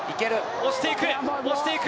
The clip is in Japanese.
押していく。